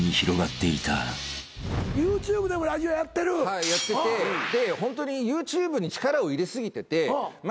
はいやっててでホントにＹｏｕＴｕｂｅに力を入れ過ぎてて前